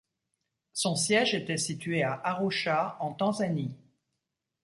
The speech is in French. Son siège était situé à Arusha en Tanzanie.